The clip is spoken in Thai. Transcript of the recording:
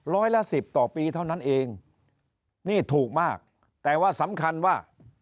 ร้อยละสิบต่อปีเท่านั้นเองนี่ถูกมากแต่ว่าสำคัญว่า